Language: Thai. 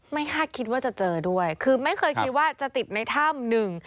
คาดคิดว่าจะเจอด้วยคือไม่เคยคิดว่าจะติดในถ้ำหนึ่ง